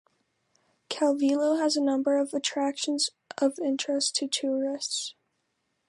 Calvillo has a number of attractions of interest to tourists.